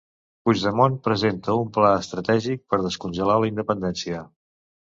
Puigdemont presenta un pla estratègic per descongelar la independència.